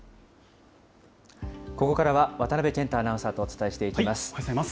ここからは渡辺健太アナウンサーとお伝えしていきます。